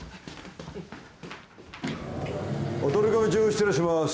・お取り込み中失礼します。